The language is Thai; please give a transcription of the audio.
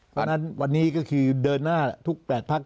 เพราะฉะนั้นวันนี้ก็คือเดินหน้าทุก๘พัก